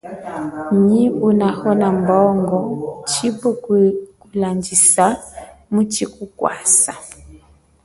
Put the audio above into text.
Nyi unahona mbongo chipwe kulandjisa muchi kukwasa.